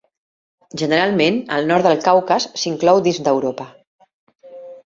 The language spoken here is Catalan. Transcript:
Generalment, el nord del Caucas s'inclou dins d'Europa.